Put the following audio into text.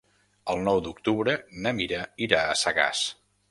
El nou d'octubre na Mira irà a Sagàs.